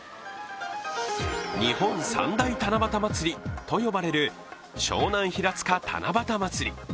日本三大七夕まつりと呼ばれる湘南ひらつか七夕まつり。